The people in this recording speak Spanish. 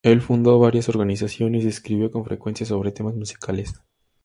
El fundó varias organizaciones y escribió con frecuencia sobre temas musicales.